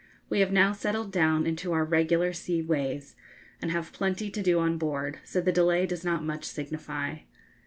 We have now settled down into our regular sea ways, and have plenty to do on board; so the delay does not much signify.